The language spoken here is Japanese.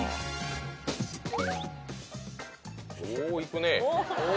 おいくね。